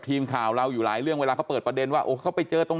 ทีมข่าวเราอยู่หลายเรื่องเวลาเขาเปิดประเด็นว่าโอ้เขาไปเจอตรง